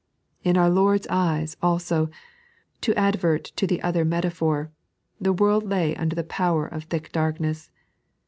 In our Lord's eyes, also — to advert to the other metaphor — the world lay under the power of thick darkness.